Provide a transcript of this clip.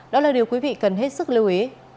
đó là điều quý vị cần hết sức lưu ý